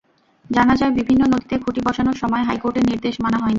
জানা যায়, বিভিন্ন নদীতে খুঁটি বসানোর সময় হাইকোর্টের নির্দেশ মানা হয়নি।